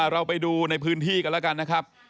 เราไปดูในพื้นที่กันแล้วกันนะครับ